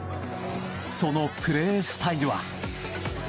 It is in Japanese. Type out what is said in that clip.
そのプレースタイルは。